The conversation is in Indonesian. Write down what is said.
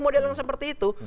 model yang seperti itu